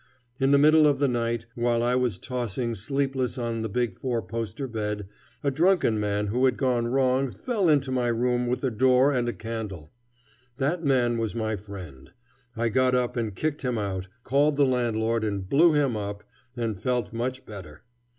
In the middle of the night, while I was tossing sleepless on the big four poster bed, a drunken man who had gone wrong fell into my room with the door and a candle. That man was my friend. I got up and kicked him out, called the landlord and blew him up, and felt much better.